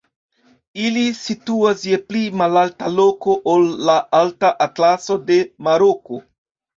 Ili situas je pli malalta loko ol la Alta Atlaso de Maroko.